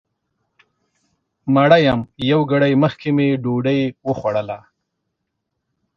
مړه یم یو ګړی مخکې مې ډوډۍ وخوړله